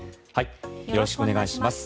よろしくお願いします。